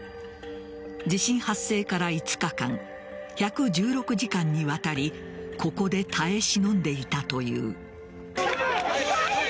地震発生から５日間１１６時間にわたりここで耐え忍んでいたという。